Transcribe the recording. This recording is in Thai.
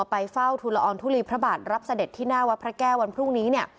ไปเฝ้าทุลอองทุลีพระบาทรับเสด็จที่หน้าวัดพระแก้ววันพรุ่งนี้เนี่ย